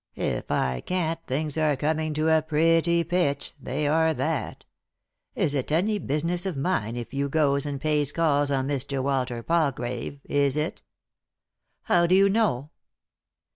If I can't, things are coming to a pretty pitch — they are that Is it any business of mine if you goes and pays calls on Mr. Walter Palgrave— is it ?"" How do you know